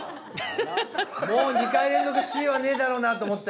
もう２回連続Ｃはねえだろうなと思って。